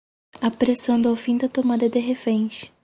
Apressando o fim da tomada de reféns